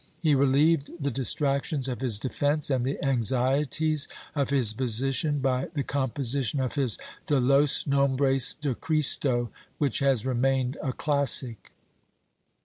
^ He relieved the distractions of his defence and the anxie ties of his position by the composition of his De los Nomhres de Christo, which has remained a classic.